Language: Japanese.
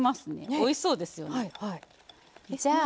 おいしそうですよね。